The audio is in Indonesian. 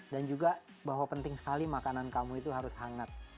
dan juga bahwa penting sekali makanan kamu itu harus hangat